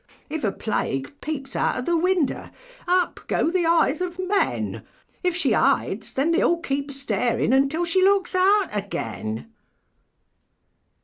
If a Plague peeps out of the window, Up go the eyes of men; If she hides, then they all keep staring Until she looks out again.